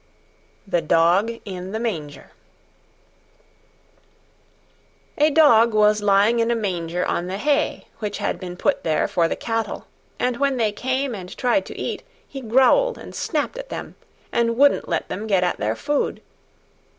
THE DOG IN THE MANGER A Dog was lying in a Manger on the hay which had been put there for the cattle, and when they came and tried to eat, he growled and snapped at them and wouldn't let them get at their food.